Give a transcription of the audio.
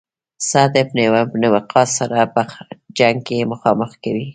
سعد بن ابي وقاص سره په جنګ کې مخامخ کوي.